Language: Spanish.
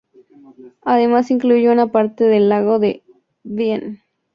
Además incluye una parte del lago de Bienne.